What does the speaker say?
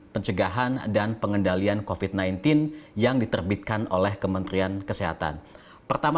pencegahan dan pengendalian kofit sembilan belas yang diterbitkan oleh kementerian kesehatan pertama